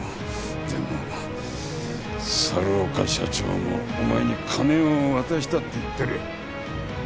でも猿岡社長もお前に金を渡したって言ってる。